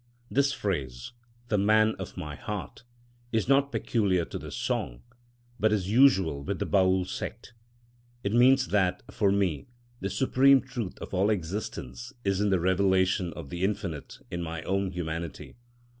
This phrase, "the Man of my Heart," is not peculiar to this song, but is usual with the Baül sect. It means that, for me, the supreme truth of all existence is in the revelation of the Infinite in my own humanity.